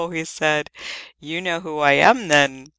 he said. "You know who I am, then?"